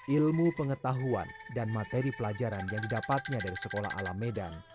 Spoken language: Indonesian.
ilmu pengetahuan dan materi pelajaran yang didapatnya dari sekolah alam medan